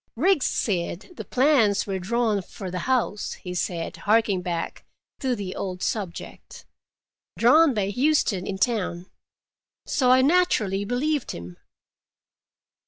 "Riggs said the plans were drawn for the house," he said, harking back to the old subject. "Drawn by Huston in town. So I naturally believed him."